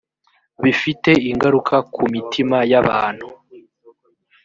bifite ingaruka ku mitima y’abantu